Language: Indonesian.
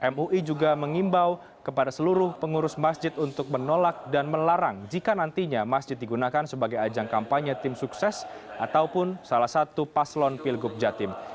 mui juga mengimbau kepada seluruh pengurus masjid untuk menolak dan melarang jika nantinya masjid digunakan sebagai ajang kampanye tim sukses ataupun salah satu paslon pilgub jatim